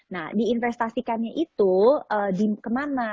nah diinvestasikannya itu kemana